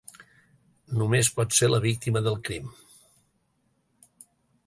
Només pot ser la víctima del crim.